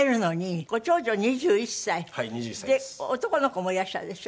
で男の子もいらっしゃるでしょ？